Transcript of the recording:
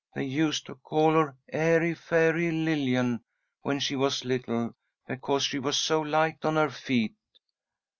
They used to call her 'airy, fairy Lillian' when she was little, because she was so light on her feet."